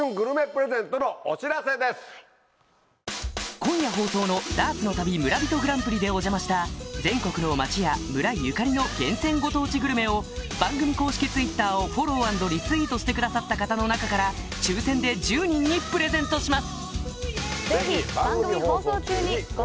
今夜放送のダーツの旅村人グランプリでお邪魔した全国の町や村ゆかりの厳選ご当地グルメを番組公式Ｔｗｉｔｔｅｒをフォロー＆リツイートしてくださった方の中から抽選で１０人にプレゼントします